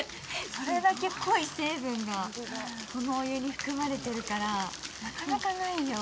それだけ濃い成分がこのお湯に含まれてるから、なかなかないよ。